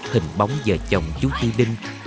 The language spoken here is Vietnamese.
hình bóng vợ chồng chú ti đinh